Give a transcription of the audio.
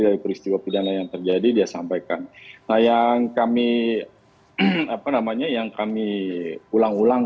dari peristiwa pidana yang terjadi dia sampaikan nah yang kami apa namanya yang kami ulang ulang